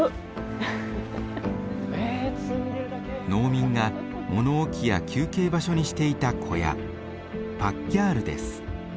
農民が物置きや休憩場所にしていた小屋パッギャールです。